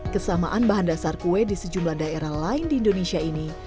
kesamaan bahan dasar kue di sejumlah daerah lain di indonesia ini